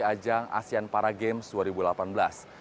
ajang asian paragames dua ribu delapan belas